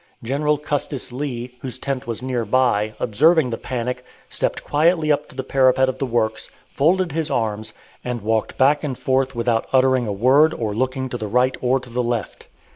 General Custis Lee, whose tent was near by, observing the panic, stepped quietly up to the parapet of the works, folded his arms, and walked back and forth without uttering a word or looking to the right or to the left.